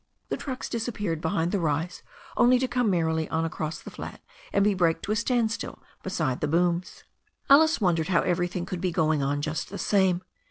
The trucks disappeared behind the rise only to come merrily on across the flat and be braked to a standstill beside the booms. Alice wondered how everything could be going on just the same.